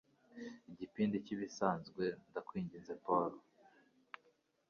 Igipindi cyibisanzwe ndakwinginze, Paul